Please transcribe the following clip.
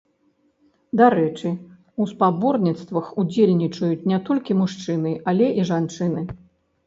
Дарэчы, у спаборніцтвах удзельнічаюць не толькі мужчыны, але і жанчыны.